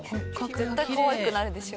絶対かわいくなるでしょ。